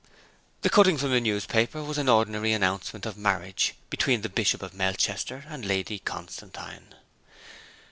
The cutting from the newspaper was an ordinary announcement of marriage between the Bishop of Melchester and Lady Constantine.